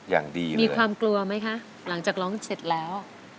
อย่างดีมีความกลัวไหมคะหลังจากร้องเสร็จแล้ว